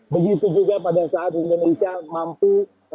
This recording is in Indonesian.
begitu juga pada saat indonesia mampu